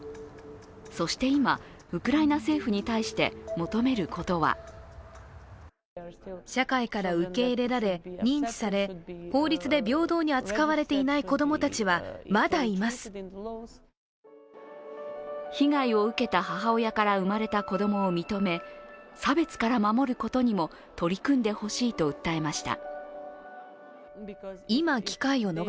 そして今、ウクライナ政府に対して求めることは被害を受けた母親から生まれた子どもを認め、差別から守ることにも取り組んでほしいと訴えました。